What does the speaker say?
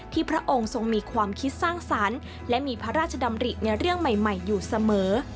พระองค์ทรงมีความคิดสร้างสรรค์และมีพระราชดำริในเรื่องใหม่อยู่เสมอ